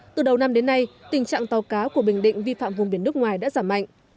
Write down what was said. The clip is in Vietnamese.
từ đầu năm đến nay tình trạng tàu cá của bình định vi phạm vùng biển nước ngoài đã giảm mạnh